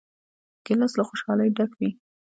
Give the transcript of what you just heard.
ګیلاس له خوشحالۍ ډک وي.